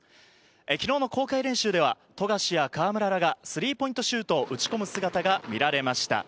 昨日の公開練習では富樫や河村らがスリーポイントシュートを打ち込む姿が見られました。